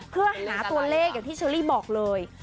เพื่อหาตัวเลขอย่างที่เชอรี่บอกเลย